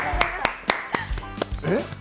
えっ？